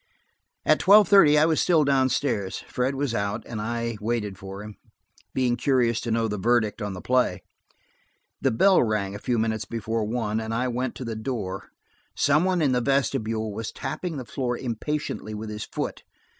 At tweIve thirty I was still downstairs; Fred was out, and I waited for him, being curious to know the verdict on the play. The bell rang a few minutes before one, and I went to the door; some one in the vestibule was tapping the floor impatiently with his foot.